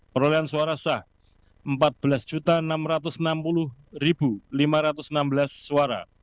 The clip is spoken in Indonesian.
perolehan suara sah empat belas enam ratus enam puluh lima ratus enam belas suara